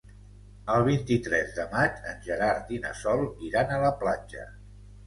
El vint-i-tres de maig en Gerard i na Sol iran a la platja.